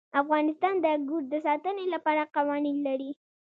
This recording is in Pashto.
افغانستان د انګور د ساتنې لپاره قوانین لري.